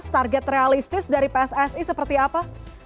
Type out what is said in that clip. target realistis dari pssi seperti apa